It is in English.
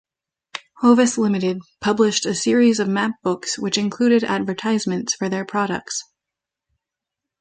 Hovis Limited published a series of map books which included advertisements for their products.